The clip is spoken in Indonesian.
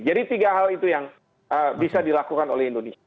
jadi tiga hal itu yang bisa dilakukan oleh indonesia